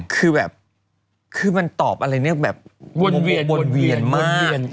คือแบบคือมันตอบอะไรเนี่ยแบบวนเวียนมาก